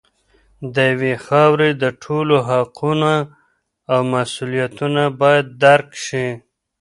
د یوې خاورې د ټولو حقونه او مسوولیتونه باید درک شي.